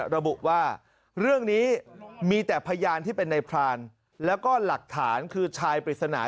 ระบุว่าเรื่องนี้มีแต่พยานที่เป็นในพรานแล้วก็หลักฐานคือชายปริศนา